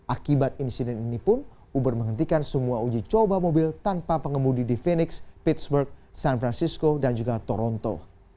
akibat insiden ini pun uber menghentikan semua uji coba mobil tanpa pengemudi di fenix pitsburg san francisco dan juga toronto